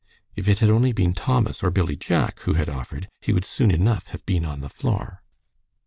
If it had only been Thomas or Billy Jack who had offered, he would soon enough have been on the floor.